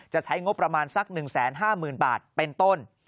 ใช้งบประมาณสัก๑๕๐๐๐บาทเป็นต้น